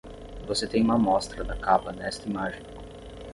Você tem uma amostra da capa nesta imagem.